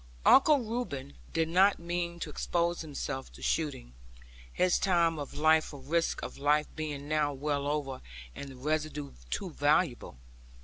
Uncle Reuben did not mean to expose himself to shooting, his time of life for risk of life being now well over and the residue too valuable.